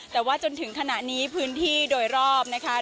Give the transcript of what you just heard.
แต่ว่าจนถึงขณะนี้พื้นที่โดยรอบนะคะ